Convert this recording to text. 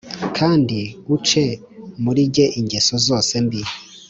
Kandi uce murijye ingeso zose mbi